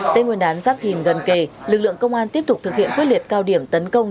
tên nguyên đán giáp thìn gần kề lực lượng công an tiếp tục thực hiện quyết liệt cao điểm tấn công